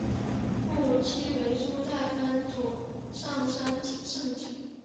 父亲是初代藩主上杉景胜。